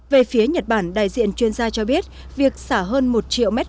về phía nhật bản đại diện chuyên gia cho biết